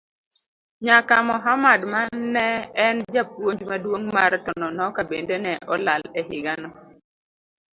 Nyaka Mohammad mane en japuonj maduong' mar Tononoka bende ne olal e higano.